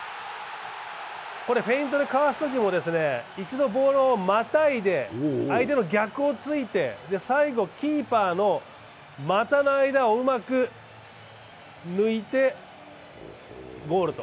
フェイントでかわすときも一度ボールをまたいで相手の逆を突いて、最後、キーパーの股の間をうまく抜いてゴールと。